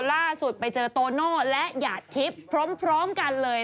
ล่าสุดไปเจอโตโน่และหยาดทิพย์พร้อมกันเลย